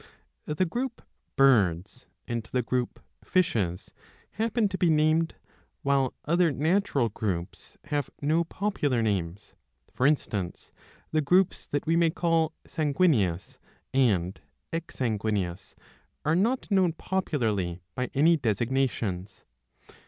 The group Birds and the group Fishes happen to be named, 642b. i. 2—1. 3. 1 1 while other natural groups have no popular names ; for instance the groups that we may call Sanguineous and Exsanguineous are not known popularly by any designations.